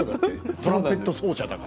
トランペット奏者だから。